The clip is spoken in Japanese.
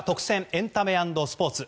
エンタメ＆スポーツ。